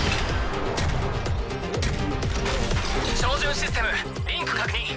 照準システムリンク確認。